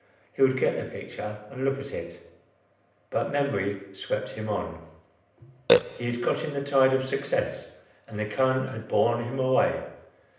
He would get the picture and look at it. But memory swept him on. He had got in the tide of success and the current had borne him away.